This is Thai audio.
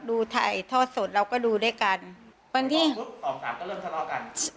ดูถ่ายทอดสดเราก็ดูด้วยกันวันที่สองสามก็เริ่มทะเลาะกัน